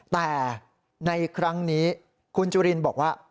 แต่ในครั้งนี้คุณจุลินบอกว่า